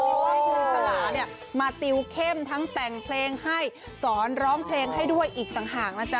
เพราะว่าครูสลาเนี่ยมาติวเข้มทั้งแต่งเพลงให้สอนร้องเพลงให้ด้วยอีกต่างหากนะจ๊